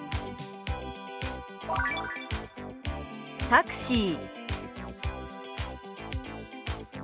「タクシー」。